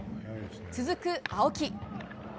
続く青木。